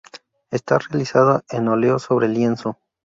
Está realizada en óleo sobre lienzo.